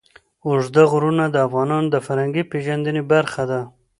اوږده غرونه د افغانانو د فرهنګي پیژندنې برخه ده.